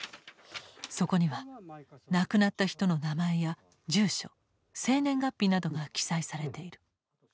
そこには亡くなった人の名前や住所生年月日などが記載されている。